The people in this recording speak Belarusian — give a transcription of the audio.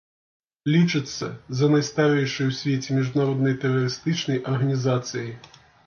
Лічыцца за найстарэйшай у свеце міжнароднай тэрарыстычнай арганізацыяй.